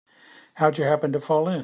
How'd you happen to fall in?